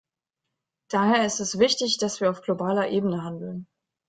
Daher ist es wichtig, dass wir auf globaler Ebene handeln.